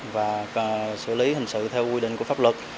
và xử lý hình sự theo quy định của pháp luật